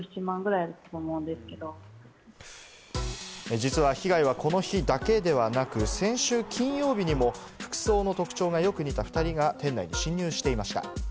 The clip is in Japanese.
実は被害はこの日だけではなく、先週金曜日にも服装の特徴がよく似た２人が店内に侵入していました。